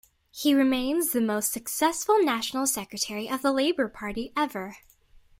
He remains the most successful National Secretary of the Labor Party ever.